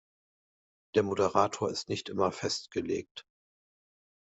Der Moderator ist nicht immer festgelegt.